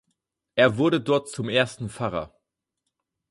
Er wurde dort zum ersten Pfarrer.